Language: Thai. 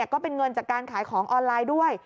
ก็เป็นเงินจากการขายของออนไลน์ด้วย